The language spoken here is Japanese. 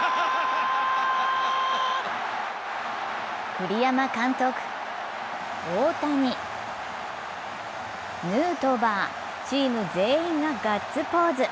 栗山監督、大谷、ヌートバー、チーム全員がガッツポーズ。